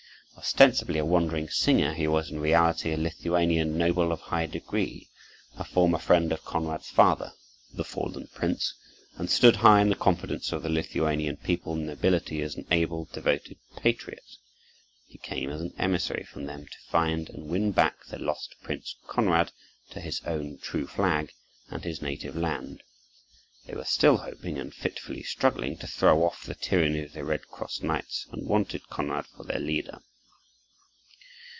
Ostensibly a wandering singer, he was in reality a Lithuanian noble of high degree, a former friend of Konrad's father, the fallen prince, and stood high in the confidence of the Lithuanian people and nobility as an able, devoted patriot. He came as an emissary from them to find and win back their lost prince Konrad to his own true flag and his native land. They were still hoping and fitfully struggling to throw off the tyranny of the Red Cross knights and wanted Konrad for their leader.